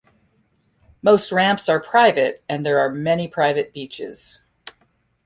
Most ramps are private and there are many private beaches.